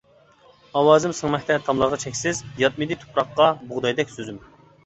ئاۋازىم سىڭمەكتە تاملارغا چەكسىز، پاتمىدى تۇپراققا بۇغدايدەك سۆزۈم.